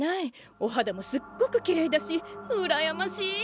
おはだもすっごくきれいだしうらやましい！